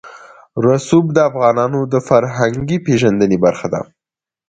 رسوب د افغانانو د فرهنګي پیژندنې برخه ده.